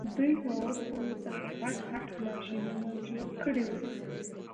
دوی له اوسپنې څخه غټ غټ ماشینونه جوړ کړي وو